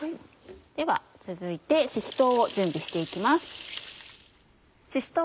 では続いてしし唐を準備して行きます。